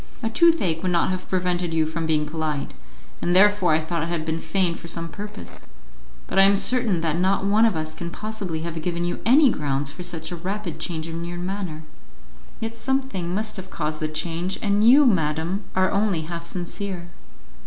A toothache would not have prevented you from being polite, and therefore I thought it had been feigned for some purpose. But I am certain that not one of us can possibly have given you any grounds for such a rapid change in your manner." "Yet something must have caused the change, and you, madam, are only half sincere."